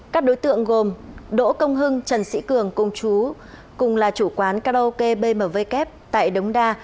các đối tượng gồm đỗ công hưng trần sĩ cường công chú cùng là chủ quán karaoke bmw kép tại đống đa